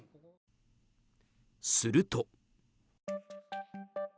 すると。